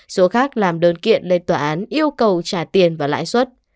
số khác làm đơn kiện lên tòa án yêu cầu trả tiền và lãi suất